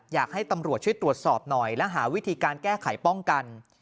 อยากให้ตำรวจช่วยตรวจสอบหน่อยและหาวิธีการแก้ไขป้องกัน